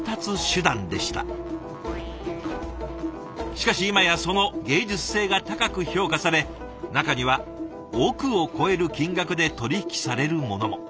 しかし今やその芸術性が高く評価され中には億を超える金額で取り引きされるものも。